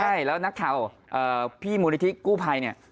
ใช่แล้วนักข่าวพี่มูลิธิกู้ภัย